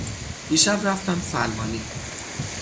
دیشب رفتم سلمانی.